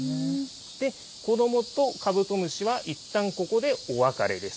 子どもとカブトムシはいったん、ここでお別れです。